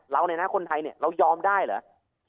เราเนี่ยนะคนไทยเนี่ยเรายอมได้เหรอ